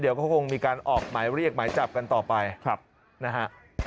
เดี๋ยวก็คงมีการออกหมายเรียกหมายจับกันต่อไปนะฮะ